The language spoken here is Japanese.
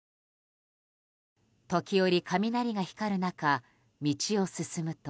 時折、雷が光る中道を進むと。